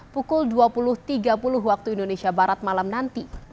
pukul dua puluh tiga puluh waktu indonesia barat malam nanti